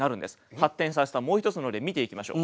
発展させたもう一つの例見ていきましょう。